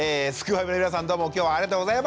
ファミの皆さんどうも今日はありがとうございました！